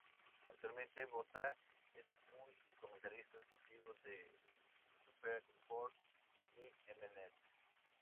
Actualmente Botha es un comentarista deportivo de SuperSport y M-Net.